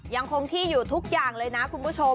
ยังคงที่อยู่ทุกอย่างเลยนะคุณผู้ชม